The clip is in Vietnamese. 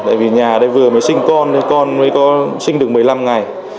tại vì nhà đây vừa mới sinh con mới có sinh được một mươi năm ngày